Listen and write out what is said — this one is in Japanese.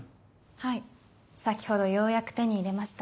はい先ほどようやく手に入れました。